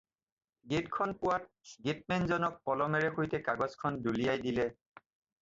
গেটখন পোৱাত গেটমেন জনক কলমৰে সৈতে কাগজখন দলিয়াই দিলে।